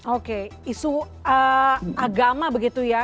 oke isu agama begitu ya